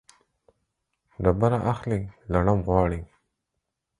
ډبره اخلي ، لړم غواړي.